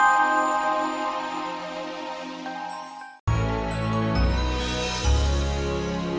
terima kasih seperti harainya